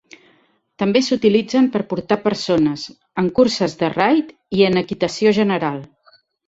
També s'utilitzen per portar persones, en curses de raid i en equitació general.